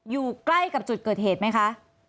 อยู่ใกล้กับจุดเกิดเหตุไหมคะ